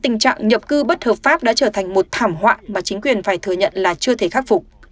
tình trạng nhập cư bất hợp pháp đã trở thành một thảm họa mà chính quyền phải thừa nhận là chưa thể khắc phục